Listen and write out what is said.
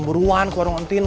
buruan ku orang entin